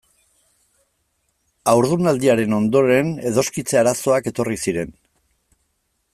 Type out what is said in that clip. Haurdunaldiaren ondoren edoskitze arazoak etorri ziren.